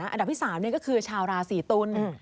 อันดับที่๓ก็คือชาวราศีตุล